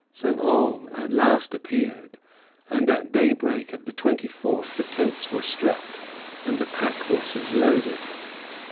Saint Ange at last appeared, and at daybreak of the 24th the tents were struck and the pack horses loaded.